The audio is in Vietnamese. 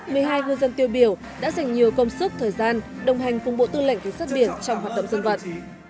cảnh sát biển đồng hành với ngư dân tiêu biểu đã dành nhiều công sức thời gian đồng hành cùng bộ tư lệnh cảnh sát biển trong hoạt động dân vận